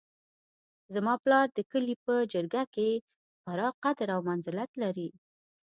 زما پلار د کلي په جرګه کې خورا قدر او منزلت لري